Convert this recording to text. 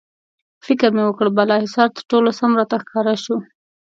فکر مې وکړ، بالاحصار تر ټولو سم راته ښکاره شو.